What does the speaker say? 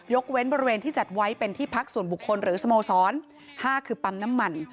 เว้นบริเวณที่จัดไว้เป็นที่พักส่วนบุคคลหรือสโมสร๕คือปั๊มน้ำมัน